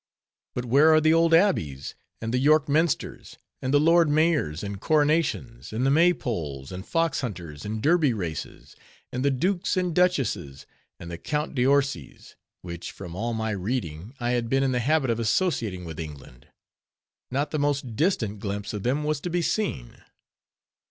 But where are the old abbeys, and the York Minsters, and the lord mayors, and coronations, and the May poles, and fox hunters, and Derby races, and the dukes and duchesses, and the Count d'Orsays, which, from all my reading, I had been in the habit of associating with England? Not the most distant glimpse of them was to be seen.